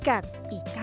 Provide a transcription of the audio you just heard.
ikannya mengikuti kemana